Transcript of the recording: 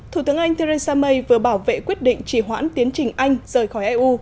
thủ tướng anh theresa may vừa bảo vệ quyết định chỉ hoãn tiến trình anh rời khỏi eu